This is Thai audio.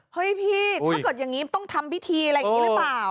เฮ้ยพี่ถ้าเกิดอย่างนี้ต้องทำพิธีอะไรอย่างนี้หรือเปล่า